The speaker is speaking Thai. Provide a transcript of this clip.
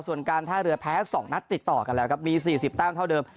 ส่วนการท่าเรือแพ้๒นัดติดต่อกันแล้วครับมี๔๐แต้มเท่าเดิม